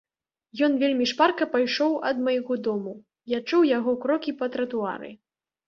Ён вельмі шпарка пайшоў ад майго дому, я чуў яго крокі па тратуары.